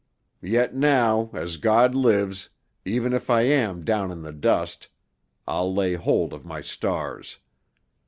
Yet now, as God lives, even if I am down in the dust, I'll lay hold of my stars.